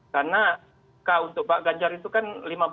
karena untuk pak ganjar itu kan